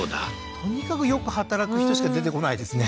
とにかくよく働く人しか出てこないですね